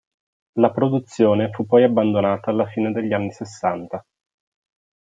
La produzione fu poi abbandonata alla fine degli anni sessanta.